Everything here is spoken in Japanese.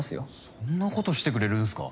そんなことしてくれるんすか？